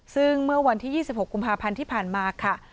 ซึ่งเมื่อวันที่๒๖กุมภาพันธ์ที่ผ่านมาค่ะ